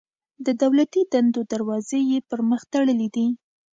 د دولتي دندو دروازې یې پر مخ تړلي دي.